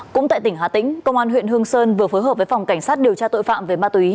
cũng tại tỉnh hà tĩnh công an huyện hương sơn vừa phối hợp với phòng cảnh sát điều tra tội phạm về ma túy